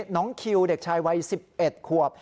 น้องคิวเด็กชายวัย๑๑ขวบ